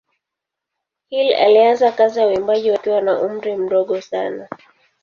Hill alianza kazi za uimbaji wakiwa na umri mdogo sana.